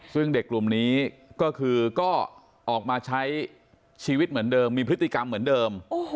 ซึ่งเด็กกลุ่มนี้ก็คือก็ออกมาใช้ชีวิตเหมือนเดิมมีพฤติกรรมเหมือนเดิม